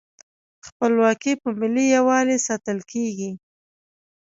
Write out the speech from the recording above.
خپلواکي په ملي یووالي ساتل کیږي.